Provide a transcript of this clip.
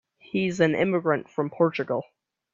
He's an immigrant from Portugal.